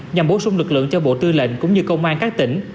nhằm bổ sung lực lượng cho bộ tư lệnh cũng như công an các tỉnh